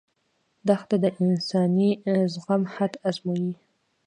دښته د انساني زغم حد ازمويي.